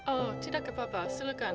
oh tidak apa apa silakan